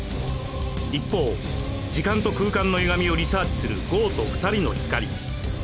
一方時間と空間のゆがみをリサーチするゴウと２人のヒカリ。